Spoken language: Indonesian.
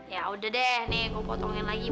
ya udah deh nih gue potongin lagi buat lia